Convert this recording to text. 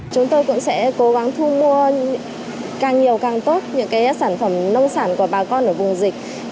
chúng tôi cũng sẽ cố gắng thu mua càng nhiều càng tốt những sản phẩm nông sản của bà con ở vùng dịch